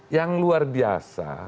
yang luar biasa